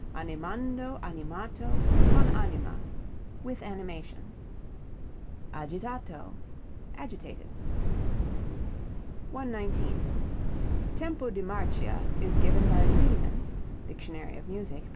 Animando, animato, con anima with animation. Agitato agitated. 119. Tempo di marcia is given by Riemann (Dictionary of Music, p.